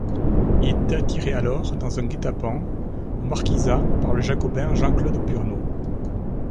Il est attiré alors, dans un guet-apens, aux Marquisats, par le jacobin Jean-Claude Burnod.